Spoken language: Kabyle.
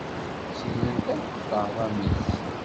Segrent akk leεḍam-is.